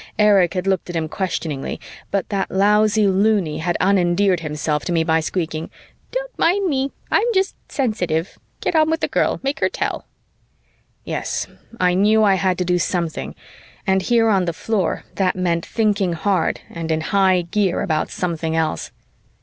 Erich had looked at him questioningly, but that lousy Looney had un endeared himself to me by squeaking, "Don't mind me, I'm just sensitive. Get on with the girl. Make her tell." Yes, I knew I had to do something, and here on the floor that meant thinking hard and in high gear about something else.